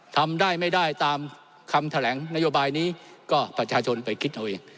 ทำได้ไม่ได้ตามคำแถลงนโยบายนี้ก็ประชาชนไปคิดเอาเอง